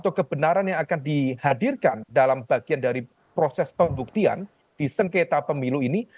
atau kebenaran yang akan dihadirkan dalam bagian dari proses pembuktian di sengketa pemilu ini